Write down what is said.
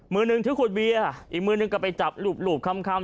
มึงหนึ่งถื้คถเบียอีกมึงหนึ่งไปจับรูปคำ